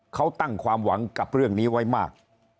เขาตั้งความหวังกับเรื่องนี้ไว้มาก